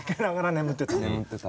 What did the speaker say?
眠ってた。